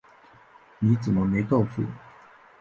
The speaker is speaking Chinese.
你怎么没告诉我